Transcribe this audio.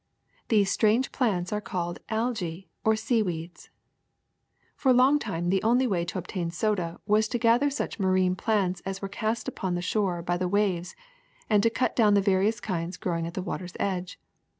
These strange plants are called alg*ae, or seaweeds. ^*For a long time the only way to obtain soda was to gather such marine plants as were cast upon the shore by the waves and to cut do\vn the various kinds growing at the w^ater's edge.